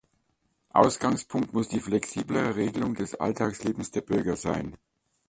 Ausgangspunkt muss die flexiblere Regelung des Alltagslebens der Bürger sein.